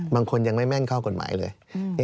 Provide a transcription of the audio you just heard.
บางคนยังไม่แม่นเข้ากฎหมายเลย